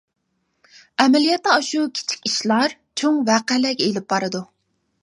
ئەمەلىيەتتە ئاشۇ كىچىك ئىشلار چوڭ ۋەقەلەرگە ئېلىپ بارىدۇ.